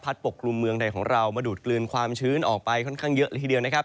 ปกกลุ่มเมืองไทยของเรามาดูดกลืนความชื้นออกไปค่อนข้างเยอะเลยทีเดียวนะครับ